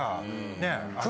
ねえ。